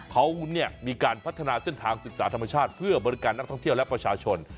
เขามีการพัฒนาเส้นทางศึกษาธรรมชาติเพื่อบริการนักท่องเที่ยวและประชาชน